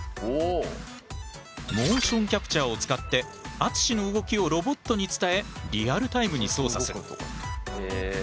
モーションキャプチャーを使って淳の動きをロボットに伝えリアルタイムに操作する。